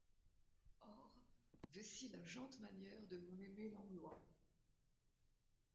Ores, vécy la gente manière de mon aymé l’Angloys.